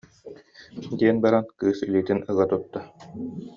диэн баран кыыс илиитин ыга тутта